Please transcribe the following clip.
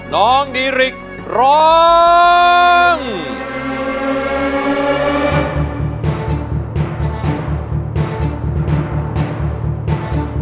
น้องดีริกร้อง